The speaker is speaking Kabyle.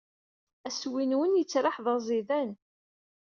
Assewwi-nwen yettraḥ d aẓidan.